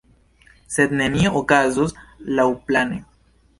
Sed nenio okazos laŭplane.